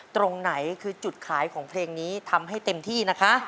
ตรงไหนคือจุดขายของเพลงนี้ทำให้เต็มที่นะคะ